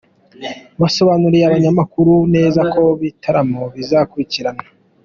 Basobanuriye abanyamakuru neza uko ibitaramo bizakurikirana.